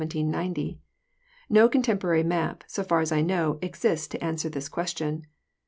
No contem porary map, so far as I know, exists to answer this question.